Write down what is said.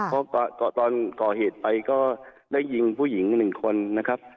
เพราะตอนก่อเหตุไปก็ได้ยิงผู้หญิง๑คนนะครับ